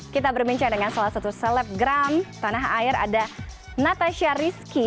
kita berbincang dengan salah satu selebgram tanah air ada natasha rizky